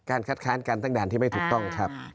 คัดค้านการตั้งด่านที่ไม่ถูกต้องครับ